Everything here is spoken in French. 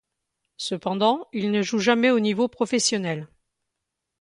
Cependant, il ne joue jamais au niveau professionnel.